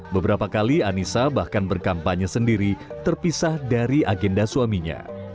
beberapa kali anissa bahkan berkampanye sendiri terpisah dari agenda suaminya